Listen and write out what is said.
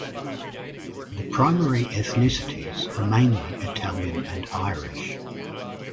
The primary ethnicities are mainly Italian and Irish.